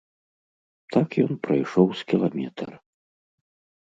Так ён прайшоў з кіламетр.